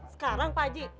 sekarang pak haji